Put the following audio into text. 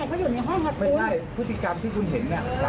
เขาหาออเดอร์มาสามีเขาก็ไปส่งอย่างนี้ค่ะ